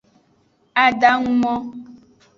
Adangumo.